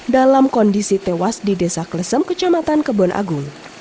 dalam kondisi tewas di desa klesem kecamatan kebon agung